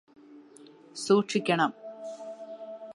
സൂക്ഷിക്കണം